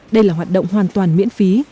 đây là hoạt động hoàn toàn miễn phí